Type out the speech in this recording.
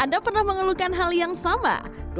anda pernah mengeluhkan hal yang sama